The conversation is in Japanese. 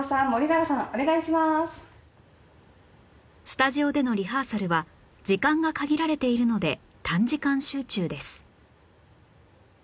スタジオでのリハーサルは時間が限られているので短時間集中です